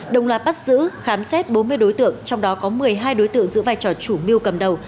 đồng loạt bắt giữ khám xét bốn mươi đối tượng trong đó có một mươi hai đối tượng giữ vai trò chủ mưu cầm đầu